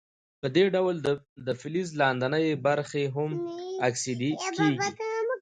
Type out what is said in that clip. په دې ډول د فلز لاندینۍ برخې هم اکسیدي کیږي.